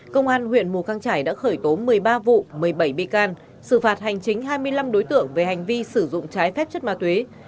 công an huyện mù căng trải đã khởi tố một mươi ba vụ một mươi bảy bị can xử phạt hành chính hai mươi năm đối tượng về hành vi sử dụng trái phép chất ma túy